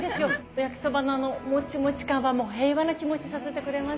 焼きそばのあのもちもち感はもう平和な気持ちにさせてくれます。